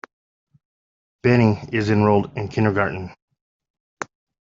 Benny is enrolled in kindergarten.